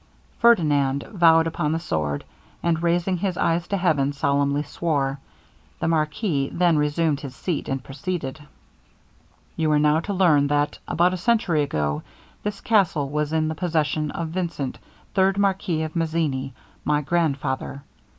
Ferdinand vowed upon the sword, and raising his eyes to heaven, solemnly swore. The marquis then resumed his seat, and proceeded. 'You are now to learn that, about a century ago, this castle was in the possession of Vincent, third marquis of Mazzini, my grandfather.